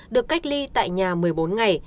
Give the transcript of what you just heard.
được cách ly tại nhà một mươi bốn ngày